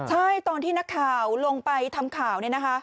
ใช่ตอนที่นักข่าวลงไปทำข่าวเนี่ยนะคะ